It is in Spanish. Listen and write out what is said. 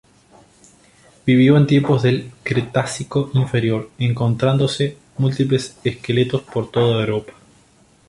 Vivió en tiempos del Cretácico Inferior, encontrándose múltiples esqueletos por toda Europa.